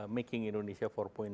making indonesia empat